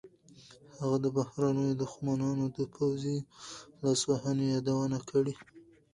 هغه د بهرنیو دښمنانو د پوځي لاسوهنې یادونه کړې.